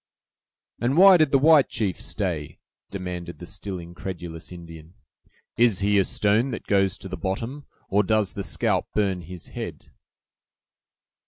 "And why did the white chief stay?" demanded the still incredulous Indian. "Is he a stone that goes to the bottom, or does the scalp burn his head?"